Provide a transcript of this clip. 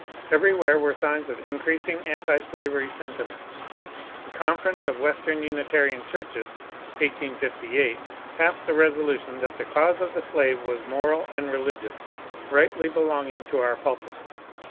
Every where were signs of increasing antislavery sentiment The Conference of Western Unitarian Churches (1858) passed a resolution that the cause of the slave was moral and religious, rightly belonging to our pulpits.